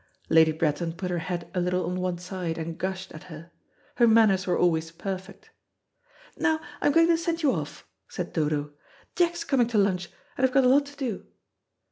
Lady Bretton put her head a little on one side, and gushed at her. Her manners were always perfect. "Now, I'm going to send you off," said Dodo. "Jack's coming to lunch, and I've got a lot to do.